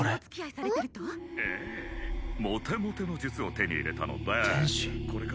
ええモテモテの術を手に入れたので天使？